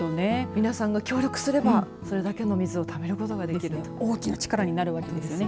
皆さんが協力すればこれだけの水をためることができると大きな力になるわけですね。